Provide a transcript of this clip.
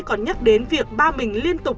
còn nhắc đến việc ba mình liên tục